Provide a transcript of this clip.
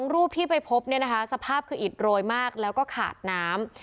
๒รูปที่ไปพบสภาพคืออิดโรยมากแล้วก็ขาดน้ำ